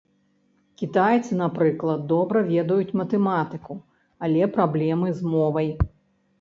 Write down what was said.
Кітайцы, напрыклад, добра ведаюць матэматыку, але праблемы з мовай.